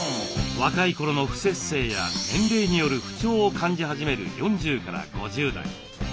若いころの不摂生や年齢による不調を感じ始める４０５０代。